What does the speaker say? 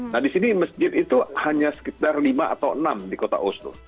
nah di sini masjid itu hanya sekitar lima atau enam di kota oslo